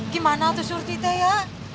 gimana tuh surti te ya